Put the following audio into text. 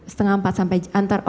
setengah empat sampai jam empat